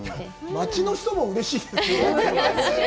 町の人もうれしいですよね。